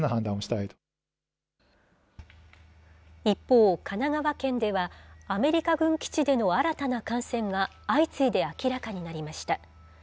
一方、神奈川県では、アメリカ軍基地での新たな感染が相次いで明らかになりました。